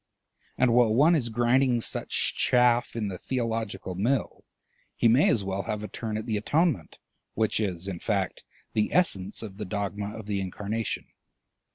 And while one is grinding such chaff in the theological mill, he may as well have a turn at the Atonement, which is, in fact, the essence of the dogma of the Incarnation.